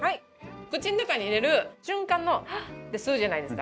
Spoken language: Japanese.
口の中に入れる瞬間のハッてするじゃないですか。